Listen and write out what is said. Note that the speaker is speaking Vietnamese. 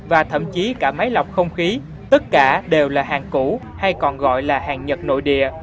và thậm chí cả máy lọc không khí tất cả đều là hàng cũ hay còn gọi là hàng nhật nội địa